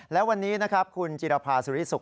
และวันนี้นะครับคุณจิรภาสุริสุข